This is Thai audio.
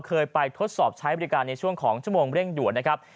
เคยไปทดสอบใช้บริการในช่วงของชั่วโมงเร่งด่วนนะครับ